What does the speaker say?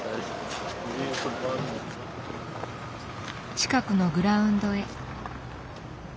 近くのグラウンドへ。